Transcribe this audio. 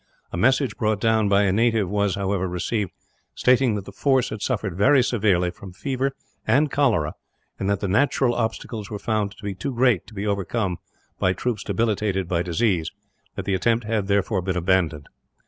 A message brought down by a native was, however, received; stating that the force had suffered very severely from fever and cholera, and that the natural obstacles were found to be too great to be overcome by troops debilitated by disease that the attempt had, therefore, been abandoned.